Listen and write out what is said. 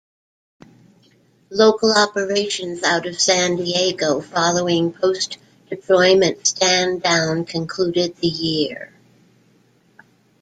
Local operations out of San Diego, following post-deployment stand-down, concluded the year.